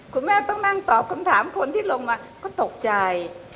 คุณแม่ต้องนั่งตอบคำถามคนที่ลงมาก็ตกใจ